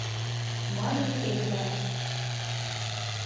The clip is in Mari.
— мане Эдвард.